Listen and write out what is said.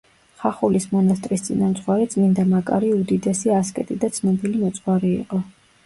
ხახულის მონასტრის წინამძღვარი წმინდა მაკარი უდიდესი ასკეტი და ცნობილი მოძღვარი იყო.